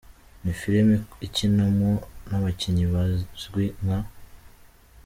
Ni film ikinwamo n’abakinnyi bazwi nka .